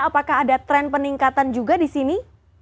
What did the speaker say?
apakah ada tren peningkatan juga di sini